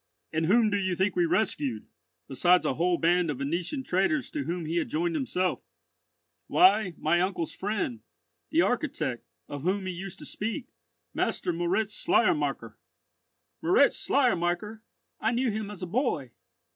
And whom do you think we rescued, besides a whole band of Venetian traders to whom he had joined himself? Why, my uncle's friend, the architect, of whom he used to speak—Master Moritz Schleiermacher." "Moritz Schleiermacher! I knew him as a boy."